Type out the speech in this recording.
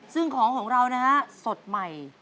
ซึ่งของของเรานะฮะสดใหม่